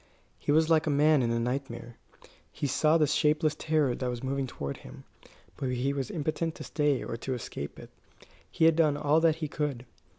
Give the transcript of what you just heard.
He was like a man in a nightmare. He saw the shapeless terror that was moving toward him, but he was impotent to stay or to escape it. He had done all that he could.